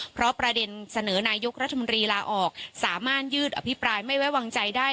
เพราะประเด็นเสนอนายกรัฐมนตรีลาออกสามารถยืดอภิปรายไม่ไว้วางใจได้